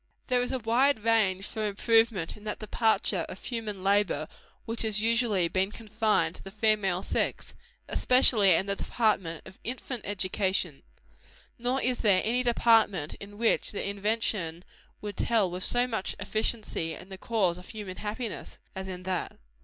There is a wide range for improvement in that department of human labor which has usually been confined to the female sex especially in the department of infant education. Nor is there any department in which invention would tell with so much efficiency in the cause of human happiness, as in that.